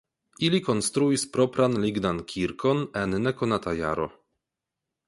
Ili konstruis propran lignan kirkon en nekonata jaro.